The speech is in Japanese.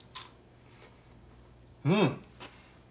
うん。